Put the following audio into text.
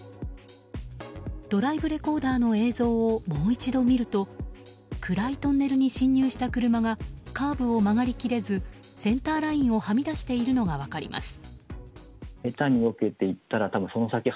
ドライブレコーダーの映像をもう一度見ると暗いトンネルに進入した車がカーブを曲がり切れずセンターラインをはみ出しているのが分かります。